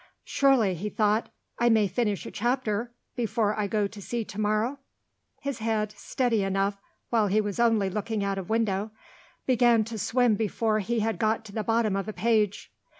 "Surely," he thought, "I may finish a chapter, before I go to sea to morrow?" His head, steady enough while he was only looking out of window, began to swim before he had got to the bottom of a page.